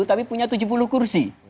tapi punya tujuh puluh kursi